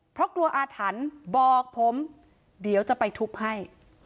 เพราะกลัวอาถรรพ์บอกผมเดี๋ยวจะไปทุบให้